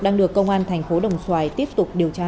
đang được công an thành phố đồng xoài tiếp tục điều tra